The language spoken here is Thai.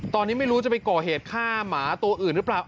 ตอนนี้ไม่รู้จะไปก่อเหตุฆ่าหมาตัวอื่นหรือเปล่า